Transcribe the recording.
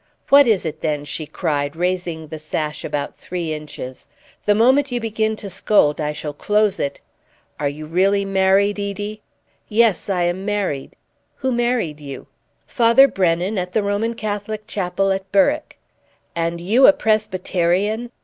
"What is it, then?" she cried, raising the sash about three inches. "The moment you begin to scold I shall close it." "Are you really married, Edie?" "Yes, I am married." "Who married you?" "Father Brennan, at the Roman Catholic Chapel at Berwick." "And you a Presbyterian?"